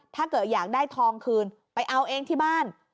ถ้าเกิดอยากได้ทองคืนไปเอาเองที่บ้าน